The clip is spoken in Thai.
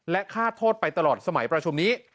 และฆ่าโทษไปตลอดสมัยประชุมนี้